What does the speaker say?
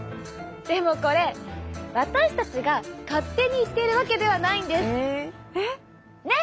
でもこれ私たちが勝手に言っているわけではないんです。ね？